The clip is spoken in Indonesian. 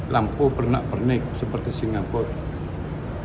lampu pernak pernik seperti singapura